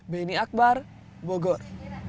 beni akbar bogor